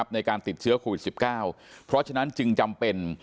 ในการติดเชื้อโควิด๑๙เพราะฉะนั้นจึงจำเป็น